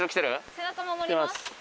背中守ります。